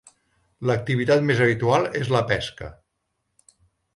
L'activitat més habitual és la pesca.